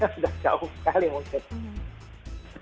sudah jauh sekali mungkin